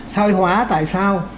sợi hóa tại sao